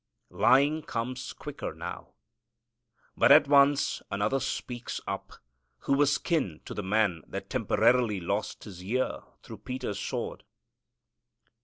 Lying comes quicker now. But at once another speaks up, who was kin to the man that temporarily lost his ear through Peter's sword.